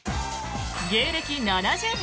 芸歴７０年